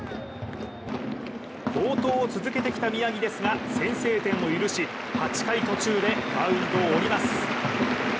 好投を続けてきた宮城ですが先制点を許し８回途中でマウンドを降ります。